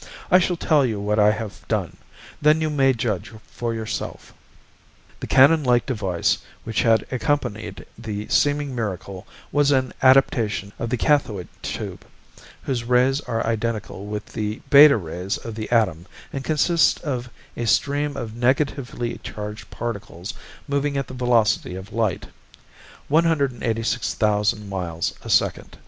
"I shall tell you what I have done; then you may judge for yourself." The cannon like device which had accompanied the seeming miracle was an adaptation of the cathode tube, whose rays are identical with the beta rays of the atom and consist of a stream of negatively charged particles moving at the velocity of light 186,000 miles a second.